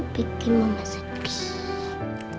bikin mama sedih